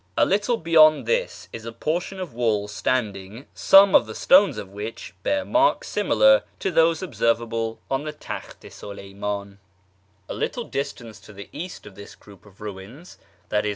A little beyond this is a portion of wall stand ing, some of the stones of which bear marks similar to those observable on the Taklit i Sidcymdn. A little distance to the east of this group of ruins, i.e.